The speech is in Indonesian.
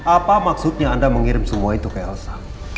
apa maksudnya anda mengirim semua itu ke elsa